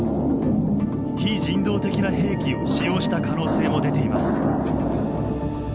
非人道的な兵器を使用した可能性も出ています。